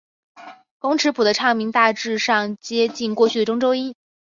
工尺谱的唱名大致上接近过去的中州音。